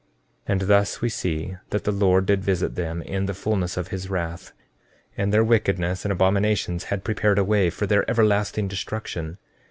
14:25 And thus we see that the Lord did visit them in the fulness of his wrath, and their wickedness and abominations had prepared a way for their everlasting destruction.